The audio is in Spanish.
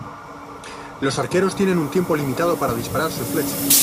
Los arqueros tienen un tiempo limitado para disparar sus flechas.